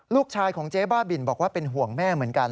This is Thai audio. ลูกชายของเจ๊บ้าบินบอกว่าเป็นห่วงแม่เหมือนกัน